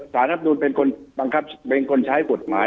สารนับนุนเป็นคนใช้กฎหมาย